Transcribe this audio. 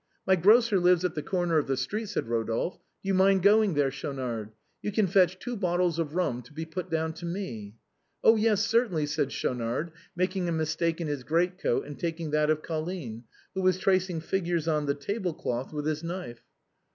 " My grocer lives at the corner of the street," said Rodolphe. " Do you mind going there, Schaunard ? You can fetch two bottles of rum, to be put down to me." " Oh ! yes, certainly," said Schaunard, making a mistake in his greatcoat and taking that of Colline, who was trac ing figures on the table cloth with his knife.